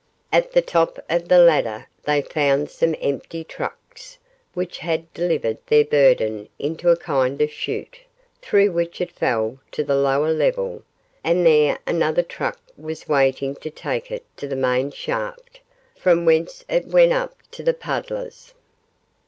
At the top of the ladder they found some empty trucks which had delivered their burden into a kind of shoot, through which it fell to the lower level, and there another truck was waiting to take it to the main shaft, from whence it went up to the puddlers.